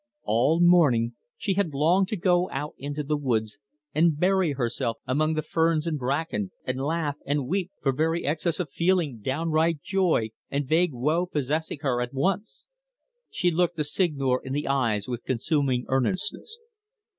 All morning she had longed to go out into the woods and bury herself among the ferns and bracken, and laugh and weep for very excess of feeling, downright joy and vague woe possessing her at once. She looked the Seigneur in the eyes with consuming earnestness.